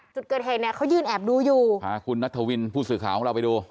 จุดเกิดเหตุเนี่ยเขายืนแอบดูอยู่พาคุณนัทวินผู้สื่อข่าวของเราไปดู